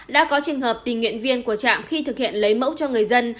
đã có trường hợp tình nguyện viên của trạm khi thực hiện lấy mẫu cho người dân